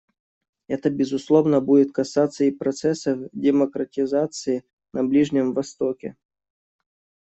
Это, безусловно, будет касаться и процессов демократизации на Ближнем Востоке.